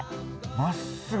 まっすぐ。